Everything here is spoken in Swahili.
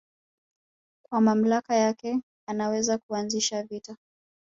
kwa mamlaka yake anaweza kuanzisha vita